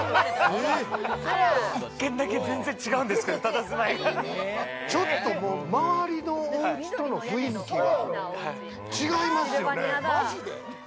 １軒だけ全然違うんですけど、ちょっと周りのお家との雰囲気が違いますよね。